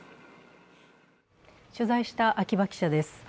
取材した秋場記者です。